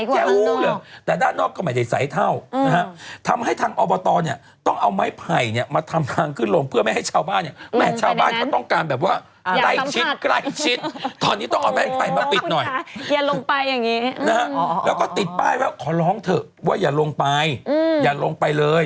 จะลงไปอย่างงี้หรือเปล่าขอร้องเถอะว่าอย่าลงไปอย่าลงไปเลย